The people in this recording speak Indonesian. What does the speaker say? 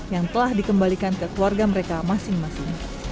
yang telah dikembalikan ke keluarga mereka masing masing